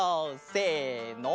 せの！